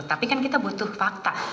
tapi kan kita butuh fakta